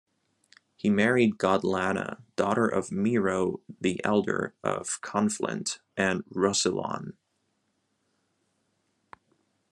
He married Godlana, daughter of Miro the Elder of Conflent and Roussillon.